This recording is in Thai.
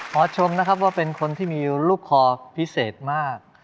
ชมนะครับว่าเป็นคนที่มีลูกคอพิเศษมาก